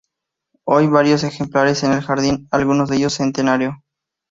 Hay varios ejemplares en el jardín, alguno de ellos centenario.